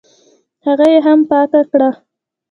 هغه یې هم پاکه کړه.